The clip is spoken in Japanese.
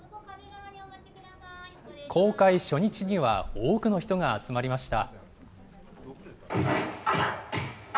公開初日には、多くの人が集まりました。